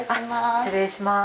失礼します。